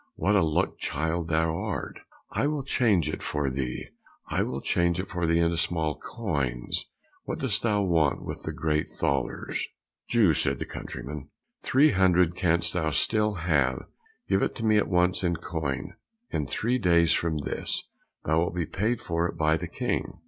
what a luck child thou art! I will change it for thee, I will change it for thee into small coins, what dost thou want with the great thalers?" "Jew," said the countryman, "three hundred canst thou still have; give it to me at once in coin, in three days from this, thou wilt be paid for it by the King."